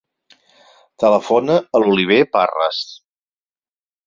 Telefona a l'Oliver Parres.